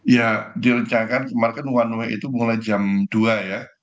ya direncanakan kemarin kan one way itu mulai jam dua ya